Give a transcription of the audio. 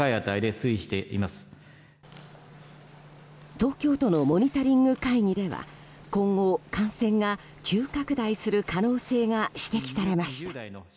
東京都のモニタリング会議では今後、感染が急拡大する可能性が指摘されました。